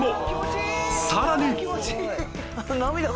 さらに